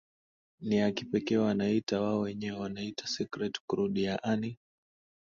ni ya kipekee wanaita wao wenyewe wanaita sweet crude yaani